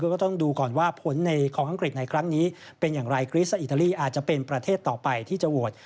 ก็ต้องดูก่อนว่าผลในของอังกฤษในครั้งนี้เป็นอย่างไรคริสและอิตาลีอาจจะเป็นประเทศต่อไปที่จะโหวต